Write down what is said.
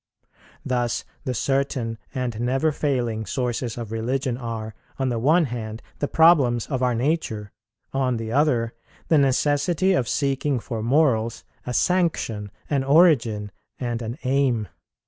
Thus the certain and never failing sources of religion are, on the one hand, the problems of our nature; on the other, the necessity of seeking for morals a sanction, an origin, and an aim.